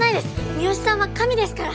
三好さんは神ですから！